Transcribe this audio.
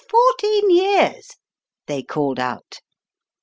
Fourteen years!" they called out.